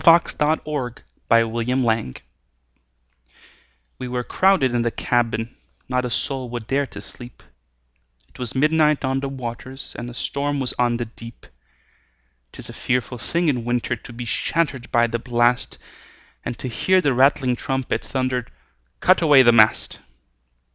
W X . Y Z Ballad of the Tempest WE were crowded in the cabin, Not a soul would dare to sleep, It was midnight on the waters, And a storm was on the deep. 'Tis a fearful thing in winter To be shattered by the blast, And to hear the rattling trumpet Thunder, "Cut away the mast!"